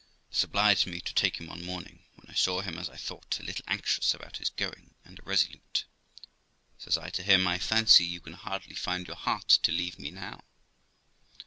This obliged me to take him one morning, when I saw him, as I thought, a little anxious about his going, and irresolute. Says I to him, ' L fancy you can hardly find in your heart to leave me now.'